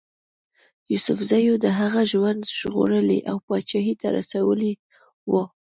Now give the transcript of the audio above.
یوسفزیو د هغه ژوند ژغورلی او پاچهي ته رسولی وو.